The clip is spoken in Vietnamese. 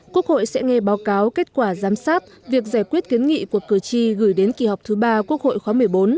quốc hội sẽ nghe báo cáo kết quả giám sát việc giải quyết kiến nghị của cử tri gửi đến kỳ họp thứ ba quốc hội khóa một mươi bốn